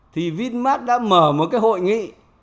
thì vinmart đã mở một cái hội nghị